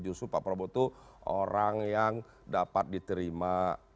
justru pak prabowo itu orang yang dapat diterima